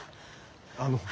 あの。